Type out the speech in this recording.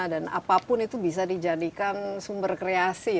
apapun itu bisa dijadikan sumber kreasi